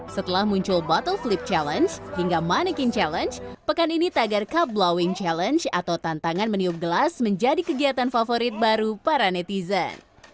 setelah muncul buttle flip challenge hingga money king challenge pekan ini tagar cup blowing challenge atau tantangan meniup gelas menjadi kegiatan favorit baru para netizen